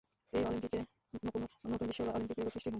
এই অলিম্পিকে কোনো নতুন বিশ্ব বা অলিম্পিক রেকর্ড সৃষ্টি হয়নি।